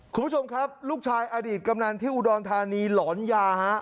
คุณผู้ชมครับลูกชายอดีตกำนันที่อุดรธานีหลอนยาฮะ